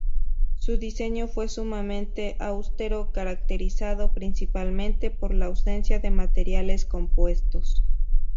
Su diseño fue sumamente austero, caracterizado principalmente por la ausencia de materiales compuestos.